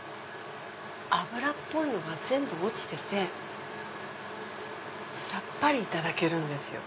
油っぽいのが全部落ちててさっぱりいただけるんですよ。